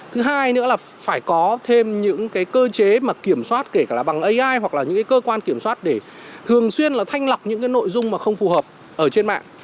thứ hai nữa là phải có thêm những cơ chế kiểm soát kể cả bằng ai hoặc là những cơ quan kiểm soát để thường xuyên thanh lọc những nội dung mà không phù hợp ở trên mạng